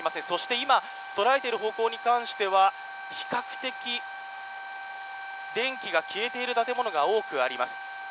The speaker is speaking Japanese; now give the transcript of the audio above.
そして今、捉えている方向に関しては比較的、電気が消えている建物が多くあります。